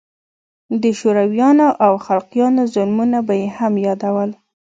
د شورويانو او خلقيانو ظلمونه به يې هم يادول.